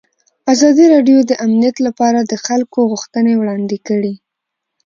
ازادي راډیو د امنیت لپاره د خلکو غوښتنې وړاندې کړي.